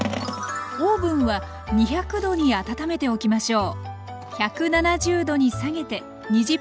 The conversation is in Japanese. オーブンは２００℃に温めておきましょう。